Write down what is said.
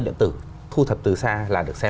điện tử thu thập từ xa là được xem